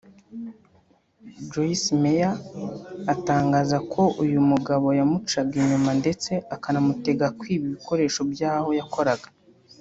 Joyce Meyer atangaza ko uyu mugabo yamucaga inyuma ndetse akanamutegeka kwiba ibikoresho by’aho yakoraga